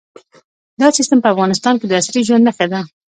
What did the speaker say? دا سیستم په افغانستان کې د عصري ژوند نښه ده.